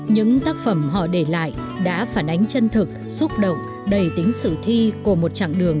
những tác phẩm họ để lại đã phản ánh chân thực xúc động đầy tính sự thi của một chặng đường